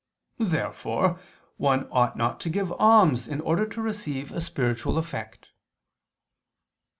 Therefore one ought not to give alms in order to receive a spiritual effect.